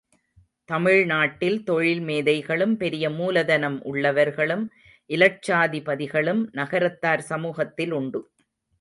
தமிழ் நாட்டில் தொழில் மேதைகளும், பெரிய மூலதனம் உள்ளவர்களும் இலட்சாதிபதிகளும் நகரத்தார் சமூகத்தில் உண்டு.